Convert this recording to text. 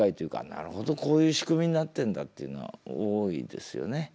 なるほどこういう仕組みになってんだっていうのは多いですよね。